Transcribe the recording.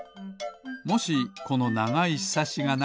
もしこのながいひさしがなかったら。